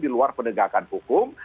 di luar penegakan hukum